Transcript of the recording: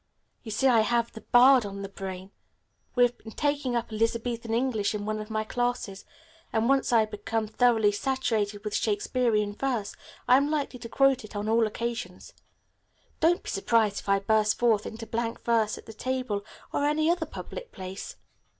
You see I have 'the bard' on the brain. We have been taking up Elizabethan English in one of my classes, and once I become thoroughly saturated with Shakespearian verse I am likely to quote it on all occasions. Don't be surprised if I burst forth into blank verse at the table or any other public place.